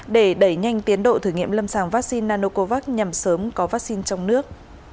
để đẩy nhanh tiến độ thử nghiệm lâm sàng vaccine nanocovax nhằm sớm có vaccine trong nước